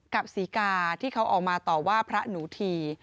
ศรีกาที่เขาออกมาต่อว่าพระหนูที